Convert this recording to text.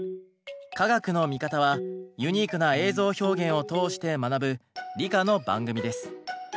「カガクノミカタ」はユニークな映像表現を通して学ぶ理科の番組です。